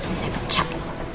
ini saya pecat